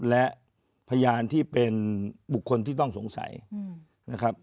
และพยานที่เป็นบุคคลที่ต้องสงสัยนะครับ